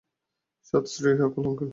সাত শ্রী আকাল, আঙ্কেল!